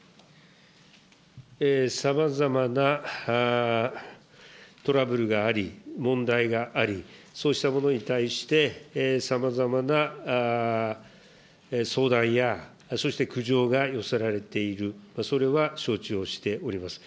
さまざまなトラブルがあり、問題があり、そうしたものに対して、さまざまな相談や、そして苦情が寄せられている、それは承知をしております。